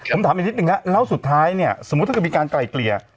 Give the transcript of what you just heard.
ผมถามอีกนิดนึงแล้วแล้วสุดท้ายเนี่ยสมมุติถ้าเกิดมีการไกลเกลี่ย